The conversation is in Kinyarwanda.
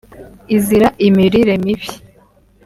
izira imirire mibi